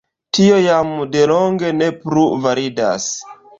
Tio jam de longe ne plu validas.